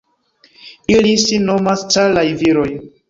Ili sin nomas caraj viroj!